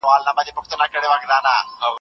زه به سبا کتابتون ته ولاړم.